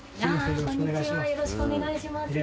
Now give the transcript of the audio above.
よろしくお願いします。